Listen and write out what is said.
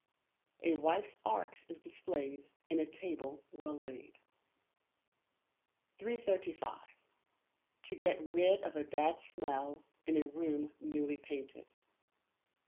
[A WIFE'S ART IS DISPLAYED IN A TABLE WELL LAID.] 335. To Get Rid of a Bad Smell in a Room Newly Painted.